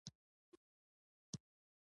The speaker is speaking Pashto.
د اصیل اسلام پر ضد د فتنې مورچل نه جوړېدلو.